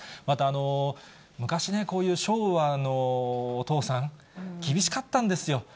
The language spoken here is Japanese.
また、昔、こういう昭和のお父さん、厳しかったんですよ。